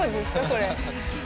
これ。